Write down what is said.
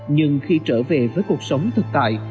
nhưng khi trở về với cuộc sống thực tại